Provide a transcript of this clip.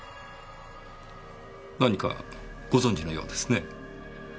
何かご存じのようですね。